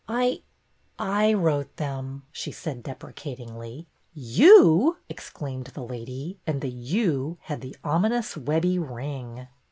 I — I — wrote them," she said deprecatingly. ^^You!" exclaimed the lady, and the ''You" had the ominous Webbie ring.